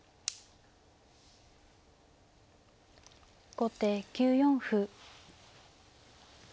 後手９四歩。